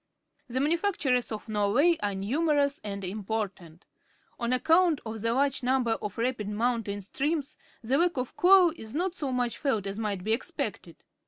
The manufactures of Norway are numerous and important. On account of the large number of rapid mountain streams, the lack of coal is not so much felt as might be ex pected.